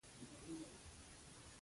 فکر پوهې ګوهر دی.